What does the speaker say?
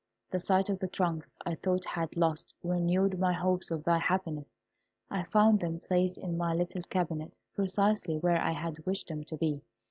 The sight of the trunks I thought I had lost renewed my hopes of thy happiness. I found them placed in my little cabinet, precisely where I had wished them to be.